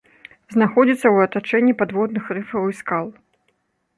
Знаходзіцца ў атачэнні падводных рыфаў і скал.